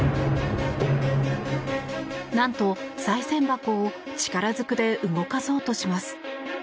何と、さい銭箱を力ずくで動かそうとします。